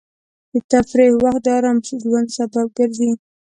د تفریح وخت د ارام ژوند سبب ګرځي.